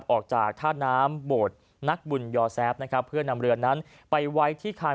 ออกจากท่าน้ำโบสถ์นักบุญยอแซฟนะครับเพื่อนำเรือนั้นไปไว้ที่คาน